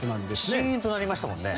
シーンとなりましたもんね。